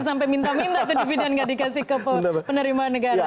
saya minta minta itu di pidanya gak dikasih ke penerimaan negara